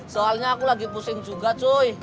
soalnya aku lagi pusing juga cuy